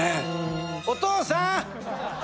お父さん！